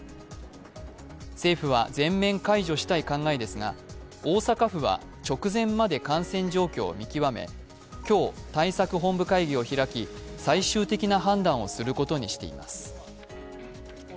政府は全面解除したい考えですが、大阪府は直前まで感染状況を見極め、今日、対策本部会議を開き最終的な判断をすることにしています。